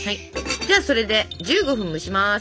じゃあそれで１５分蒸します！